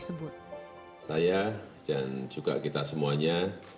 saya dan juga kita semuanya